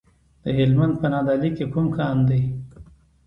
د هلمند په نادعلي کې کوم کان دی؟